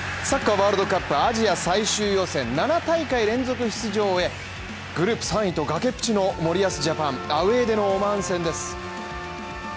ワールドカップアジア最終予選７大会連続出場へ、グループ３位と崖っぷちの森保ジャパン、アウェーでのオマーン戦です。